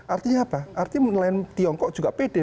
artinya apa artinya nelayan tiongkok juga pede